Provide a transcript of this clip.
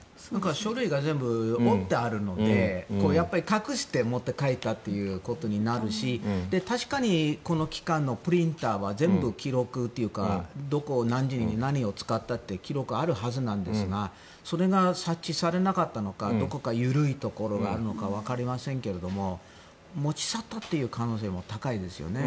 書類が全部折ってあるのでやっぱり隠して持って帰ったということになるし確かに、この期間のプリンターは全部記録というかどこを何時に、何を使ったという記録があるはずなんですがそれが察知されなかったのかどこか緩いところがあるのか分かりませんけれども持ち去ったという可能性は高いですよね。